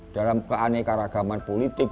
dalam keanekaragaman politik